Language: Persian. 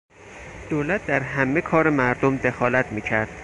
دولت در همه کار مردم دخالت میکرد.